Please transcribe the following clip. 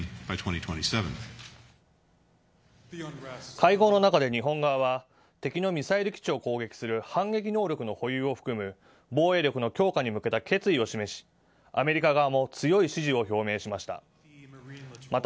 会合の中で日本側は敵のミサイル基地を攻撃する反撃能力の保有を含む防衛力の強化に向けた決意を示しアメリカ側も強い支持を表明しました。